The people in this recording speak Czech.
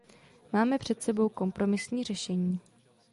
Máme před sebou kompromisní řešení.